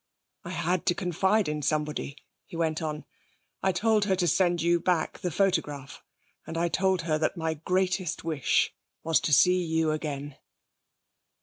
'I had to confide in somebody,' he went on. 'I told her to send you back the photograph, and I told her that my greatest wish was to see you again.'